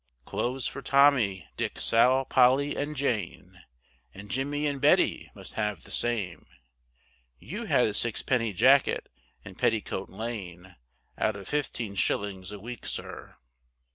Clothes for Tommy, Dick, Sal, Polly, and Jane, And Jimmy and Betty must have the same; You had a sixpenny jacket in Petticoat Lane, Out of fifteen shillings a week, sir.